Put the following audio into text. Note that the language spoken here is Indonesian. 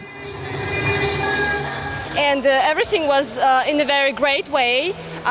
dan semuanya sangat bagus